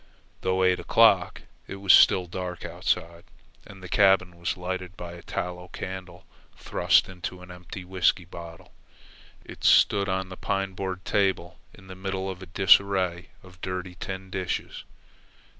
Though eight o'clock, it was still dark outside, and the cabin was lighted by a tallow candle thrust into an empty whisky bottle. It stood on the pine board table in the middle of a disarray of dirty tin dishes.